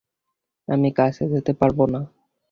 আমি কাছে যেতে পারবো না!